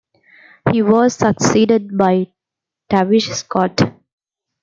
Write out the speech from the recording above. He was succeeded by Tavish Scott.